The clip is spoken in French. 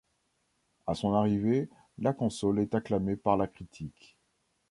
À son arrivée, la console est acclamée par la critique.